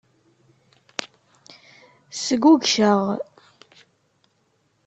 Sgugceɣ.